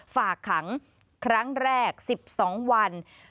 ฝากขังครั้งแรก๑๒วัน